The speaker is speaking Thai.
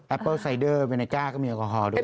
เปิ้ลไซเดอร์เวเนก้าก็มีแอลกอฮอล์ด้วย